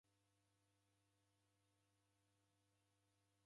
Ni suti kushome vuo vako.